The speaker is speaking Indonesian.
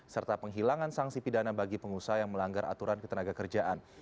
serta penghilangan sanksi pidana bagi pengusaha yang melanggar aturan ketenaga kerjaan